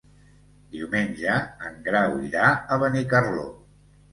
Diumenge en Grau irà a Benicarló.